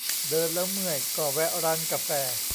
เดินแล้วเมื่อย ก็แวะร้านกาแฟ